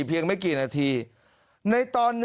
เพียงไม่กี่นาทีในตอน